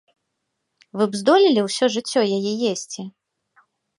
Вы б здолелі ўсё жыццё яе есці?